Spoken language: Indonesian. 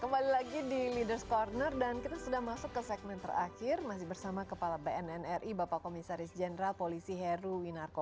kembali lagi di ⁇ leaders ⁇ corner dan kita sudah masuk ke segmen terakhir masih bersama kepala bnnri bapak komisaris jenderal polisi heru winarko